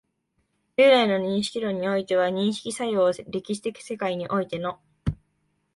従来の認識論においては、認識作用を歴史的世界においての